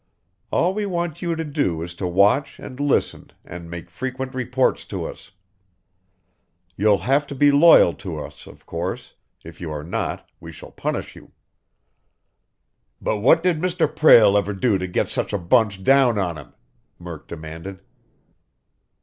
All we want you to do is to watch and listen and make frequent reports to us. You'll have to be loyal to us, of course. If you are not, we shall punish you." "But what did Mr. Prale ever do to get such a bunch down on him?" Murk demanded.